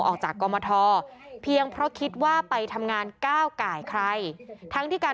ออกจากกรมทเพียงเพราะคิดว่าไปทำงานก้าวไก่ใครทั้งที่การ